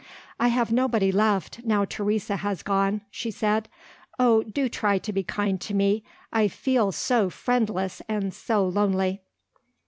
"I have nobody left, now Teresa has gone," she said. "Oh, do try to be kind to me I feel so friendless and so lonely!"